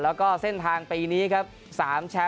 แล้วก็เส้นทางปีนี้ครับสามแชมพมัน